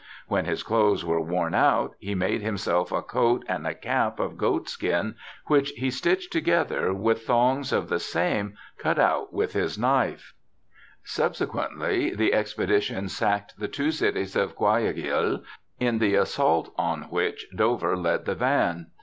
26 BIOGRAPHICAL ESSAYS * When his clothes were worn out he made himself a coat and a cap of goat skin, which he stitched together with thongs of the same, cut out with his knife,' Subsequently the expedition sacked the two cities of Guaiaquil, in the assault on which Dover led the van.